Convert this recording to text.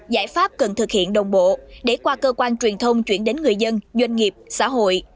giải pháp cần thực hiện đồng bộ để qua cơ quan truyền thông chuyển đến người dân doanh nghiệp xã hội